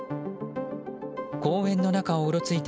公園の中をうろついた